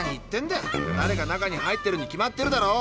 だれか中に入ってるに決まってるだろ。